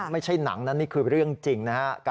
ไม่ใช่หนังนะนี่คือเรื่องจริงนะฮะ